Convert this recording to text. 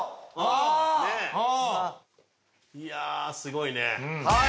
いやすごいね。